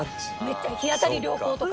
『陽あたり良好！』とか。